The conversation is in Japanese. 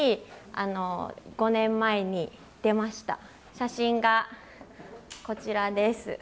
写真がこちらです。